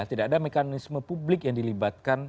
tidak ada mekanisme publik yang dilibatkan